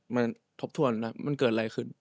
มันทบทวนแล้วมันเกิดอะไรขึ้น